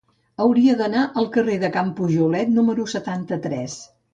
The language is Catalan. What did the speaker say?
Hauria d'anar al carrer de Can Pujolet número setanta-tres.